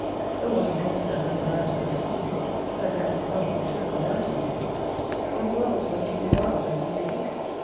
O what a monster had in man been seen, Had every thumb or toe a mountain been! What worlds must he devour when he did eat